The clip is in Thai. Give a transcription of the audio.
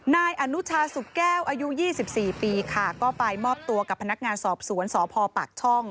นายอนุชาสุกแก้วอายุ๒๔ปีค่ะก็ไปมอบตัวกับพนักงานสอบสวนสพปากช่อง